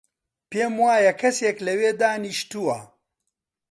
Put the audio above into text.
پێم وایە کەسێک لەوێ دانیشتووە.